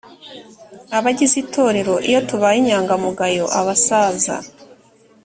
abagize itorero iyo tubaye inyangamugayo abasaza